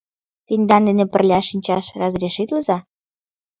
— Тендан дене пырля шинчаш разрешитлыза?